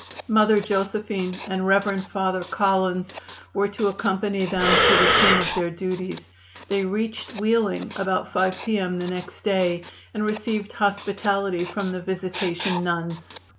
Mother Josephine and Rev. Father Collins were to accompany them to the scene of their duties. They reached Wheeling about 5 P. M. the next day, and received hospitality from the Visitation Nuns.